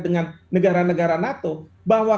dengan negara negara nato bahwa